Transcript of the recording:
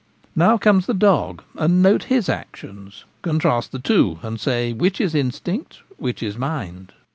Now comes the dog, and note his actions ; contrast the two, and say which is instinct, which is mind.